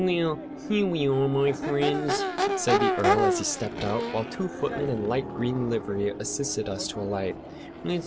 "Well, here we are, my friends," said the Earl, as he stepped out; while two footmen in light green livery assisted us to alight.